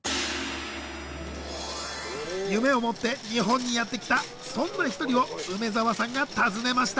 夢を持って日本にやって来たそんな一人を梅沢さんが訪ねました。